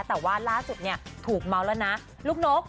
แต่ว่าล่าสุดเนี่ยถูกเมาแล้วนะลูกนก